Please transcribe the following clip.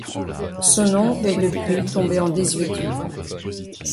Ce nom est depuis tombé en désuétude.